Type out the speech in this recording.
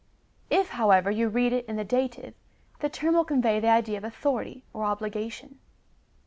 If, how ever, you read it in the dative, the term will convey the idea of authority or obligation.